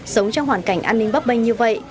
sống trong hoàn cảnh an ninh bắp bênh như vậy